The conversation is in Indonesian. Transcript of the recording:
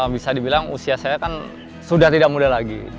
bisa dibilang usia saya kan sudah tidak muda lagi